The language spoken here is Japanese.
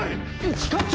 一課長！